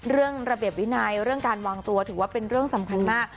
ระเบียบวินัยเรื่องการวางตัวถือว่าเป็นเรื่องสำคัญมาก